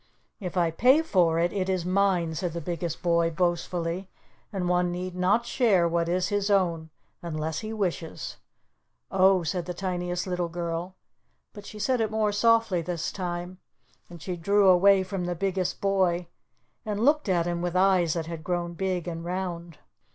"If I pay for it, it is mine," said the Biggest Boy, boastfully, "and one need not share what is his own unless he wishes." "Oh," said the Tiniest Little Girl, but she said it more softly this time, and she drew away from the Biggest Boy, and looked at him with eyes that had grown big and round.